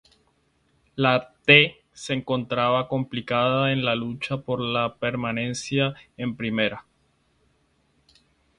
La "T" se encontraba complicada en la lucha por la permanencia en Primera.